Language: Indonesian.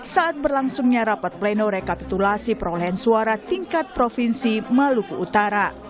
saat berlangsungnya rapat pleno rekapitulasi perolehan suara tingkat provinsi maluku utara